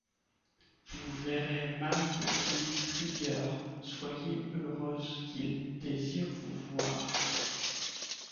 Vous ferez mal de tenir rigueur ; soyez heureuse qu'il désire vous voir.